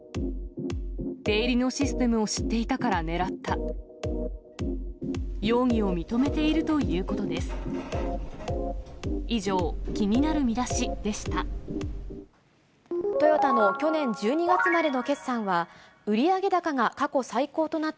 出入りのシステムを知っていたから狙った。